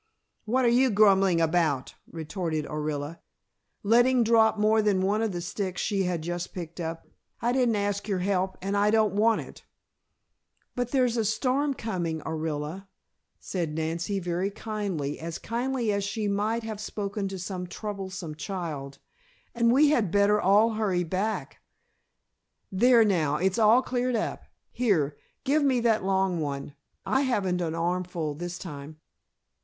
"What are you grumbling about?" retorted Orilla, letting drop more than one of the sticks she had just picked up. "I didn't ask your help, and I don't want it " "But there's a storm coming, Orilla," said Nancy very kindly, as kindly as she might have spoken to some troublesome child, "and we had better all hurry back. There now, it's all cleared up. Here, give me that long one. I haven't an armful this time."